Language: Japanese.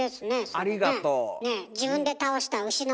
ありがとう。